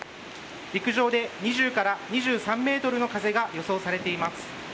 陸上で２０から２３メートルの風が予想されています。